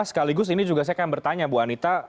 sekaligus ini juga saya akan bertanya bu anita